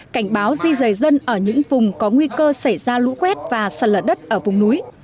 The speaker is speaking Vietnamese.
cảnh báo di rời dân ở những vùng có nguy cơ xảy ra lũ quét và sạt lở đất ở vùng núi